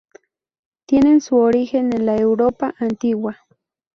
Tienen su origen en la Europa antigua.